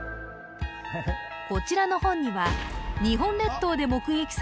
こちらの本には日本列島で目撃される